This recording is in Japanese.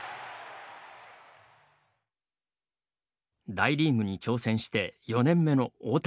大リーグに挑戦して４年目の大谷選手。